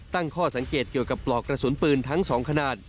ตั้งข้อสังเกตเกี่ยวกับปลอกกระสุนปืนทั้ง๒ขนาด